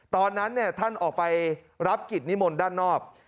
ตอนนั้นท่านออกไปรับกิจนิมนต์ด้านนอก